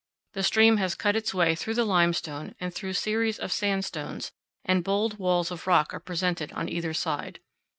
The stream has cut its way through the limestone and through series of sandstones, and bold walls of rock are presented on either side.